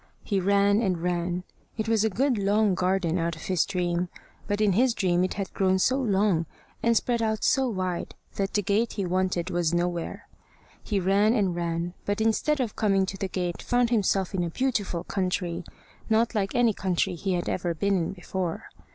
He ran and ran. It was a good long garden out of his dream, but in his dream it had grown so long and spread out so wide that the gate he wanted was nowhere. He ran and ran, but instead of coming to the gate found himself in a beautiful country, not like any country he had ever been in before.